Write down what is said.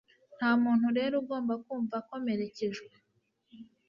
Nta muntu rero ugomba kumva akomerekejwe.